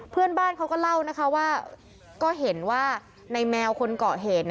เพื่อนบ้านเขาก็เล่านะคะว่าก็เห็นว่าในแมวคนเกาะเหตุ